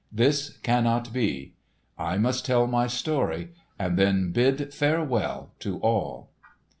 This cannot be. I must tell my story and then bid farewell to all."